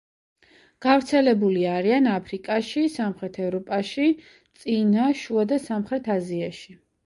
გავრცელებული არიან აფრიკაში, სამხრეთ ევროპაში, წინა, შუა და სამხრეთ აზიაში.